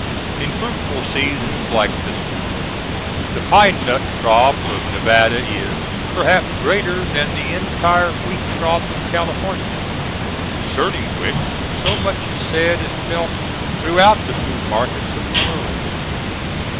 In fruitful seasons like this one, the pine nut crop of Nevada is, perhaps, greater than the entire wheat crop of California, concerning which so much is said and felt throughout the food markets of the world.